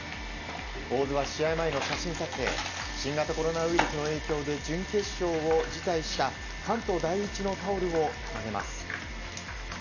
大津は試合前の写真撮影新型コロナウイルスの影響で準決勝を辞退した関東第一のタオルを掲げます。